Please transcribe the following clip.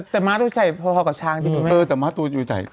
แต่ม้าตัวใช่พอเท่ากับช้างเออแต่ม้าตัวอยู่ใส่